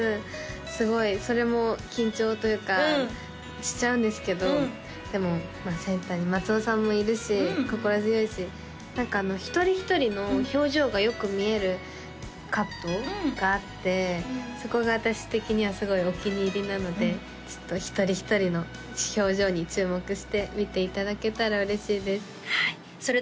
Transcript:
すごいそれも緊張というかしちゃうんですけどでもセンターに松尾さんもいるし心強いし何か一人一人の表情がよく見えるカットがあってそこが私的にはすごいお気に入りなので一人一人の表情に注目して見ていただけたら嬉しいです